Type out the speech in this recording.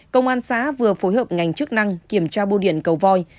công an xá vừa phối hợp ngành chức năng kiểm tra bô điện cầu voi